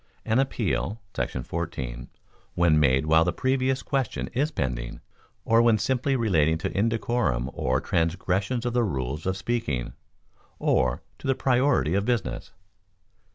—An Appeal [§ 14] when made while the Previous Question is pending, or when simply relating to indecorum or transgressions of the rules of speaking, or to the priority of business.